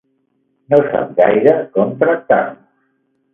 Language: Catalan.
No sap gaire com tractar-los.